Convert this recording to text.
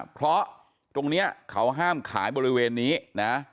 เพราะตรงนี้เขาห้ามขายบริเวณนี้นะ